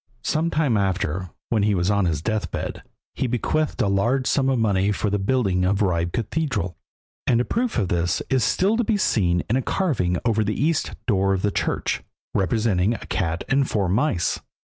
Some time after, when he was on his deathbed, he bequeathed a large sum of money for the building of Ribe Cathedral, and a proof of this is still to be seen in a carving over the east door of the church, representing a cat and four mice.